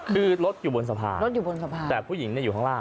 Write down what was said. คือรถอยู่บนสะพานแต่ผู้หญิงอยู่ข้างล่าง